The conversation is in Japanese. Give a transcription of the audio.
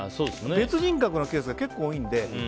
別人格のケースが結構、多いので。